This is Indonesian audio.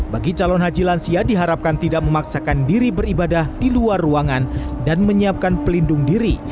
bagi calon haji lansia diharapkan tidak memaksakan diri beribadah di luar ruangan dan menyiapkan pelindung diri